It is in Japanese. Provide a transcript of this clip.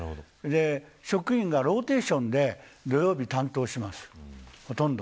職員がローテーションで土曜日を担当します、ほとんど。